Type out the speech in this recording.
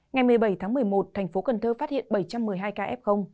ngày một mươi bảy tháng một mươi một thành phố cần thơ phát hiện bảy trăm một mươi hai ca f